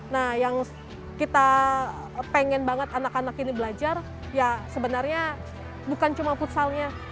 nah yang kita pengen banget anak anak ini belajar ya sebenarnya bukan cuma futsalnya